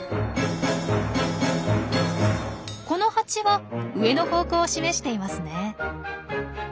このハチは上の方向を示していますね。